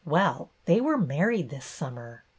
Well, they were married this summer."